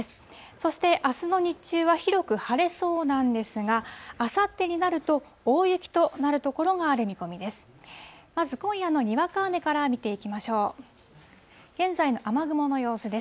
そしてあすの日中は広く晴れそうなんですが、あさってになると、大雪となる所がある見込みです。